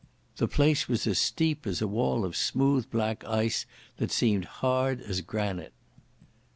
The place was as steep as a wall of smooth black ice that seemed hard as granite.